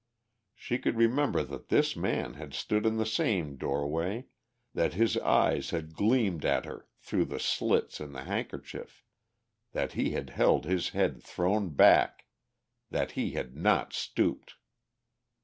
She could remember that this man had stood in the same doorway, that his eyes had gleamed at her through the slits in the handkerchief,... that he had held his head thrown back, that he had not stooped!